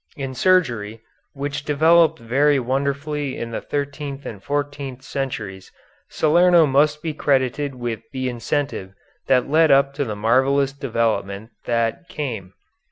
In surgery, which developed very wonderfully in the thirteenth and fourteenth centuries, Salerno must be credited with the incentive that led up to the marvellous development that came.